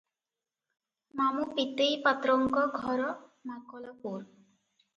ମାମୁ ପୀତେଇ ପାତ୍ରଙ୍କ ଘର ମାକଲପୁର ।